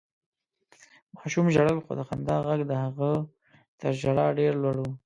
ماشوم ژړل، خو د خندا غږ د هغه تر ژړا ډېر لوړ و.